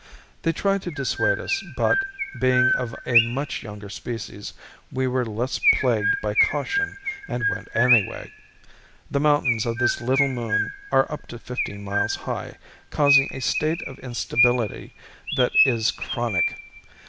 They tried to dissuade us but, being of a much younger species, we were less plagued by caution and went anyway. The mountains of this little moon are up to fifteen miles high, causing a state of instability that is chronic.